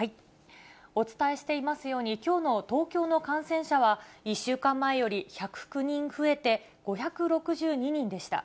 お伝えしていますように、きょうの東京の感染者は、１週間前より１０９人増えて５６２人でした。